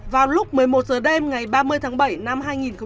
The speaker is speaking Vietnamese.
vào lúc một mươi một h đêm ngày ba mươi tháng bảy năm hai nghìn hai mươi